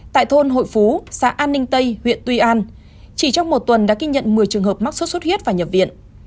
tại thôn hội phú xã an ninh tây huyện tuy an chỉ trong một tuần đã ghi nhận một mươi trường hợp mắc sốt xuất huyết và nhập viện